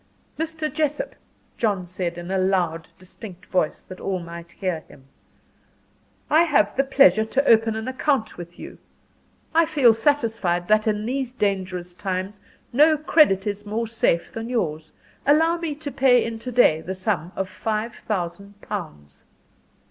"Mr. Jessop," John said, in a loud, distinct voice, that all might hear him, "I have the pleasure to open an account with you. I feel satisfied that in these dangerous times no credit is more safe than yours. Allow me to pay in to day the sum of five thousand pounds."